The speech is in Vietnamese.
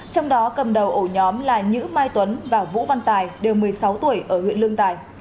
trong đó cầm đầu ổ nhóm là nhữ mai tuấn và vũ văn tài đều một mươi sáu tuổi ở huyện lương tài